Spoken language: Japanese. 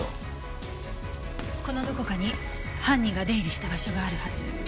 このどこかに犯人が出入りした場所があるはず。